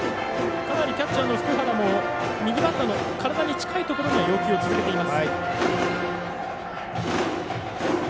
キャッチャーの福原も右バッターの体の近いところには要求を続けています。